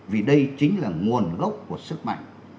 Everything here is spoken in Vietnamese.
vì đây chính là nguồn gốc của sức mạnh